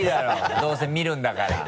どうせ見るんだから。